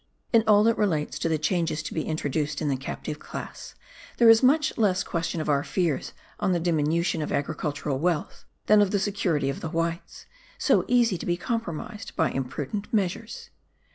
"In all that relates to the changes to be introduced in the captive class, there is much less question of our fears on the diminution of agricultural wealth, than of the security of the whites, so easy to be compromised by imprudent measures.